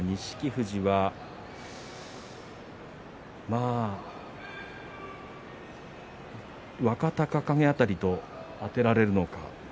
富士は若隆景辺りと当てられるのか。